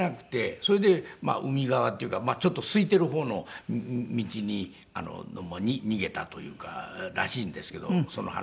それで海側っていうかちょっと空いている方の道に逃げたというからしいんですけどその話。